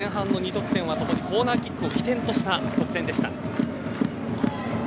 前半の２得点は共にコーナーキックを起点とした得点でした。